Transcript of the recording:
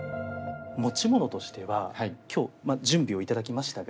持ち物としては今日準備をいただきましたが。